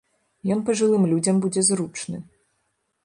Ён пажылым людзям будзе зручны.